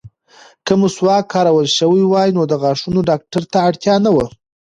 که مسواک کارول شوی وای، نو د غاښونو ډاکټر ته اړتیا نه وه.